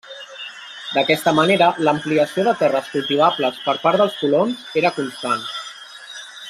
D'aquesta manera, l'ampliació de terres cultivables per part dels colons era constant.